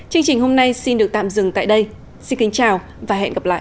chương trình hôm nay xin được tạm dừng tại đây xin kính chào và hẹn gặp lại